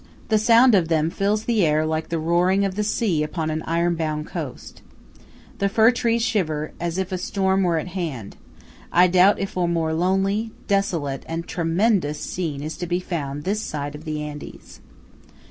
The sound of them fills the air like the roaring of the sea upon an ironbound coast. The fir trees shiver, as if a storm were at hand. I doubt if a more lonely, desolate, and tremendous scene is to be found this side of the Andes.